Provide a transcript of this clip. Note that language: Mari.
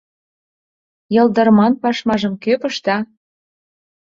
Йылдырман пашмажым кӧ пышта?